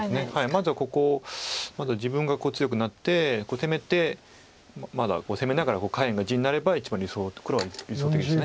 まずはここまず自分が強くなって攻めてまずは攻めながら下辺が地になれば一番黒は理想的です。